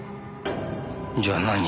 じゃあ何？